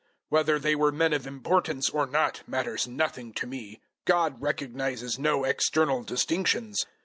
Whether they were men of importance or not, matters nothing to me God recognizes no external distinctions.